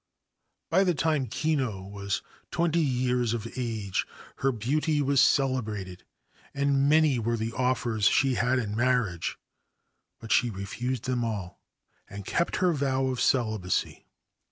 By the time Kinu was twenty years of age her beauty 142 The Diving Woman of Oiso Bay was celebrated, and many were the offers she had in marriage ; but she refused them all, and kept her vow of celibacy.